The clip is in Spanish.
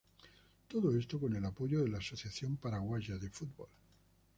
Todo esto con apoyo de la Asociación Paraguaya de Fútbol.